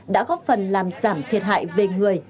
đã góp phần làm giảm thiệt hại về người